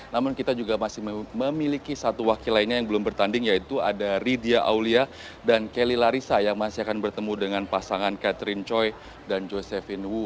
namun kita juga masih memiliki satu wakil lainnya yang belum bertanding yaitu ada ridya aulia dan kelly larissa yang masih akan bertemu dengan pasangan catherine choi dan josephin wu